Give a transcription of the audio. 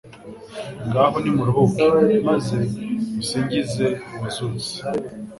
Ngaho nimuruhuke, maaze musingize Uwazutse.